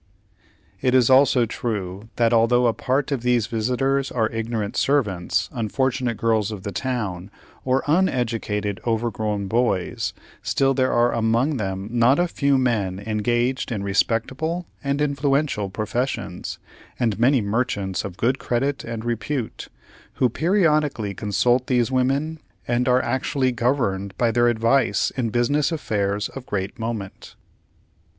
It is also true that although a part of these visitors are ignorant servants, unfortunate girls of the town, or uneducated overgrown boys, still there are among them not a few men engaged in respectable and influential professions, and many merchants of good credit and repute, who periodically consult these women, and are actually governed by their advice in business affairs of great moment.